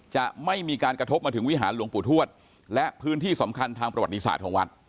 จะไม่มีการกระทบมาถึงวิหารหลวงปู่ทวดและพื้นที่สำคัญทางประวัติศาสตร์ของวัด